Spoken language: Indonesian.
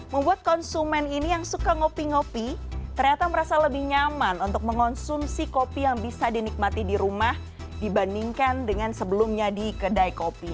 membuat konsumen ini yang suka ngopi ngopi ternyata merasa lebih nyaman untuk mengonsumsi kopi yang bisa dinikmati di rumah dibandingkan dengan sebelumnya di kedai kopi